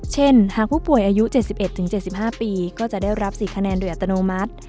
เช่นหากผู้ป่วยอายุ๗๑๗๕ปีก็จะได้รับ๔คะแนนโดยอัตโนมัติ